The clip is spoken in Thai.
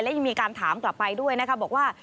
และยังมีการถามกลับไปด้วยนะคะบอกว่า